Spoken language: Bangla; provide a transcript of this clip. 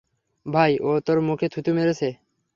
ভাই, ও তোমার মুখে থুথু মেরেছে।